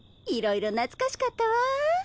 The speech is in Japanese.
いろいろ懐かしかったわ！